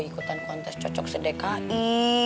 ikutan kontes cocok sedeqai